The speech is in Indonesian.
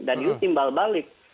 dan itu timbal balik